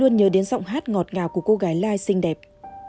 luôn nhớ đến giọng hát ngọt ngào của cô gái lai xinh đẹp